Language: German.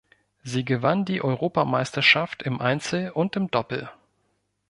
Sie gewann die Europameisterschaft im Einzel und im Doppel.